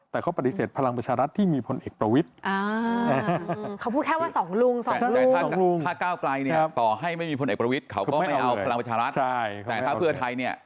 แต่เขาปฏิเสธพลังประชารัฐที่มีพลเอกประวิทธิ์